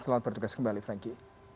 selamat berjaga jaga kembali franky